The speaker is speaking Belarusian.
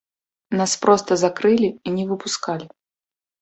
Нас проста закрылі і не выпускалі.